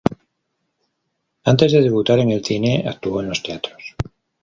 Antes de debutar en el cine, actuó en los teatros.